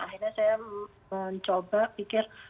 akhirnya saya mencoba pikir